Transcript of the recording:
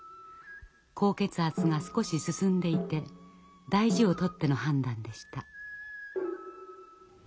高血圧が少し進んでいて大事を取っての判断でした。